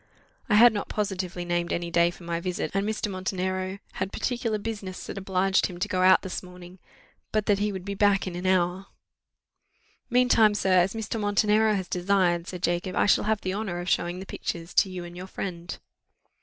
I had not positively named any day for my visit, and Mr. Montenero had particular business that obliged him to go out this morning, but that he would be back in an hour: "Meantime, sir, as Mr. Montenero has desired," said Jacob, "I shall have the honour of showing the pictures to you and your friend."